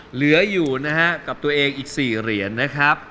เหลืออยู่นะฮะกับตัวเองอีก๔เหรียญนะครับ